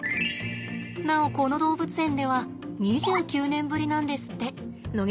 なおこの動物園では２９年ぶりなんですって。